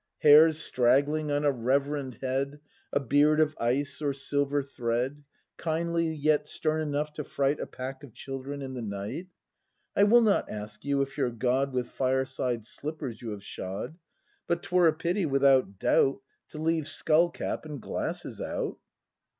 ^ Hairs straggling on a reverend head, A beard of ice or silver thread; Kindly, yet stern enough to fright A pack of children in the night. I will not ask you, if your God With fireside slippers you have shod; But 'twere a pity, without doubt. To leave skull cap and glasses out.